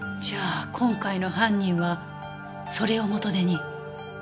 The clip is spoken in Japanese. じゃあ今回の犯人はそれを元手に。